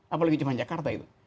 apalagi cuma jakarta itu